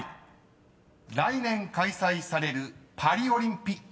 ［来年開催されるパリオリンピックのピクトグラム］